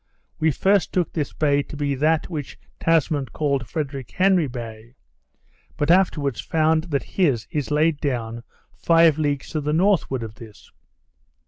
We first took this bay to be that which Tasman called Frederick Henry Bay; but afterwards found that his is laid down five leagues to the northward of this.